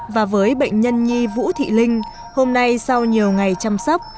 và với bệnh nhân nhi vũ thị linh hôm nay sau nhiều ngày chăm sóc